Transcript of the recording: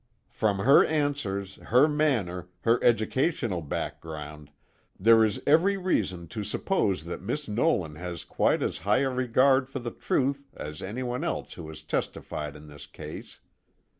From her answers, her manner, her educational background, there is every reason to suppose that Miss Nolan has quite as high a regard for the truth as anyone else who has testified in this case.